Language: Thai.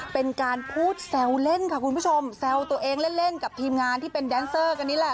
เป็นการพูดแซวเล่นค่ะคุณผู้ชมแซวตัวเองเล่นกับทีมงานที่เป็นแดนเซอร์กันนี่แหละ